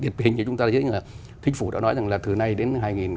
thích phủ đã nói rằng là từ nay đến hai nghìn ba mươi